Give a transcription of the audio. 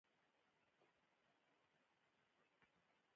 موږ څومره بریښنا له ازبکستان اخلو؟